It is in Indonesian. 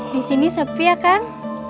di sini sepi ya kang